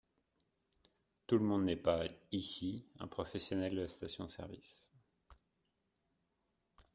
Tout le monde n’est pas, ici, un professionnel de la station-service.